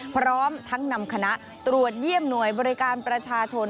พร้อมทั้งนำคณะตรวจเยี่ยมหน่วยบริการประชาชน